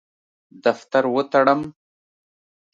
دفتر وتړم.